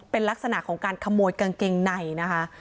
เป็นลักษณะของการขโมยกางเกงในนะคะ